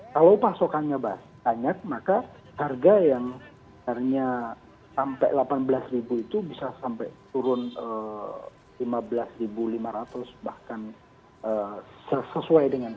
kalau pasokannya banyak maka harga yang harganya sampai rp delapan belas itu bisa sampai turun rp lima belas lima ratus bahkan sesuai dengan harga